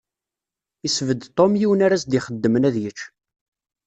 Yesbedd Tom yiwen ara s-d-ixeddmen ad yečč.